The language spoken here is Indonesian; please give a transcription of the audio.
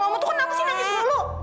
kamu tuh kenapa sih nangis dulu